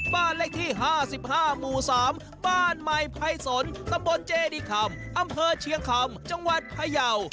บ้านเลขที่๕๕หมู่๓บ้านใหม่ภัยสนตำบลเจดีคำอำเภอเชียงคำจังหวัดพยาว